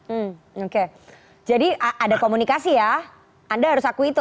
oke jadi ada komunikasi ya anda harus aku itu